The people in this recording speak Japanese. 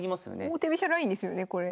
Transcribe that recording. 王手飛車ラインですよねこれ。